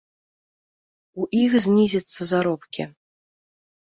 У іх знізяцца заробкі.